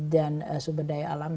dan sumber daya alam